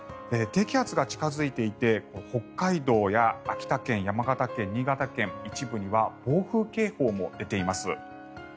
低気圧が近付いていて北海道や秋田県、山形県、新潟県一部には暴風警報も出ています。